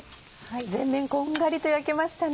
全面こんがりと焼けましたね。